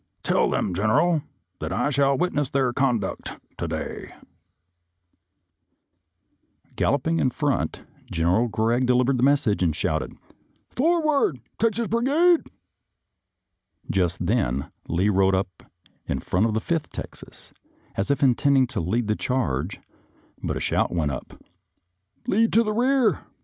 Tell them. General, that I shall witness their conduct to day." Galloping in front. General Gregg de 232 SOLDIER'S LETTERS TO CHARMING NELLIE livered the message, and shouted, "Forward, Texas Brigade!" Just then Lee rode in front of the Fifth Texas, as if intending to lead the charge, but a shout went up, " Lee to the rear!